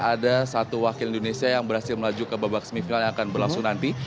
ada satu wakil indonesia yang berhasil melaju ke babak semifinal yang akan berlangsung nanti